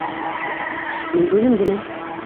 Мин үҙем генә.